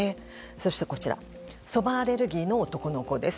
そしてそばアレルギーの男の子です。